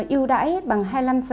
ưu đãi bằng hai mươi năm